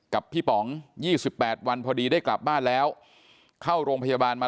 กับพี่ป๋อง๒๘วันพอดีได้กลับบ้านแล้วเข้าโรงพยาบาลมา